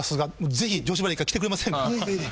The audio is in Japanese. ぜひ女子バレー一回来てくれませんか？